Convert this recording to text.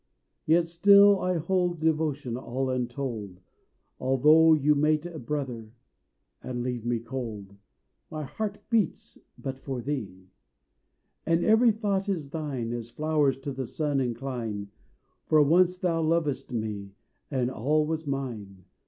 Yet still I hold Devotion all untold; Although you mate a brother And leave me cold. My heart beats but for thee And every thought is thine, As flowers to the sun incline; For once thou lovedst me And all was mine.